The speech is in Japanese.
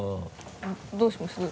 どうします？